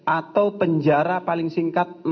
atau penjara paling singkat